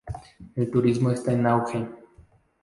El turismo está en auge.